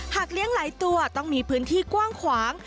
เลี้ยงหลายตัวต้องมีพื้นที่กว้างขวาง